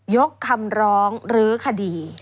ยกคำร้องลื้อคดี